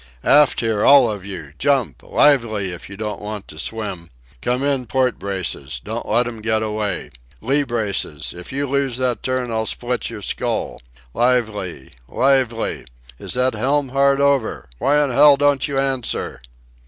Aft, here, all of you! Jump! Lively, if you don't want to swim! Come in, port braces! Don't let 'm get away! Lee braces!—if you lose that turn I'll split your skull! Lively! Lively!—Is that helm hard over! Why in hell don't you answer?"